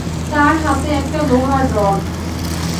তার হাতে একটা লোহার রড।